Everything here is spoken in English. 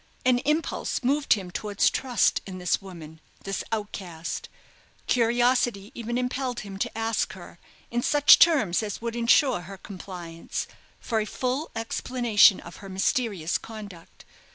An impulse moved him towards trust in this woman, this outcast, curiosity even impelled him to ask her, in such terms as would ensure her compliance, for a full explanation of her mysterious conduct.